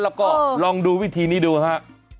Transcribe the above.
แล้วก็ลองดูวิธีนี้ดูฮะ